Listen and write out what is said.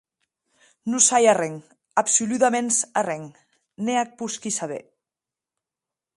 Non sai arren, absoludaments arren, ne ac posqui saber.